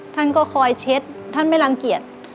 ท่านก็คอยเช็ดท่านไม่รังเกียจ